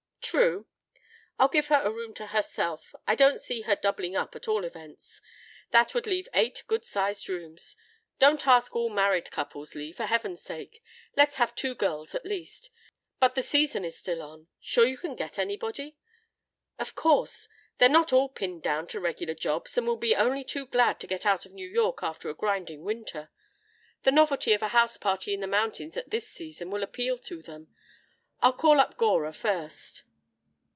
"True. I'll give her a room to herself, for I don't see her doubling up, at all events. That would leave eight good sized rooms. Don't ask all married couples, Lee, for heaven's sake. Let's have two girls, at least. But the season is still on. Sure you can get anybody?" "Of course. They're not all pinned down to regular jobs, and will be only too glad to get out of New York after a grinding winter. The novelty of a house party in the mountains at this season will appeal to them. I'll call up Gora first."